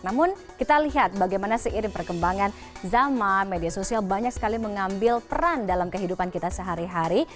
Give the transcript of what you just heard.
namun kita lihat bagaimana seiring perkembangan zaman media sosial banyak sekali mengambil peran dalam kehidupan kita sehari hari